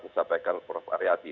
menyampaikan prof ariyati